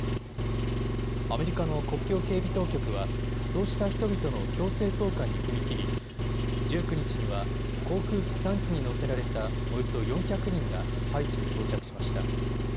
アメリカの国境警備当局はそうした人々の強制送還に踏み切り、１９日には航空機３機に乗せられたおよそ４００人がハイチに到着しました。